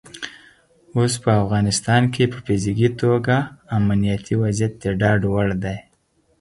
اوس په افغانستان کې په فزیکي توګه امنیتي وضعیت د ډاډ وړ دی.